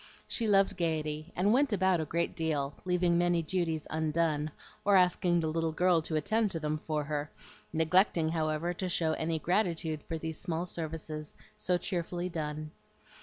She loved gayety, and went about a great deal, leaving many duties undone, or asking the little girl to attend to them for her, neglecting, however, to show any gratitude for these small services so cheerfully done.